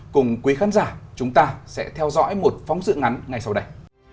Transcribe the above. cùng quý khán giả chúng ta sẽ theo dõi một phóng dự ngắn ngày sau đây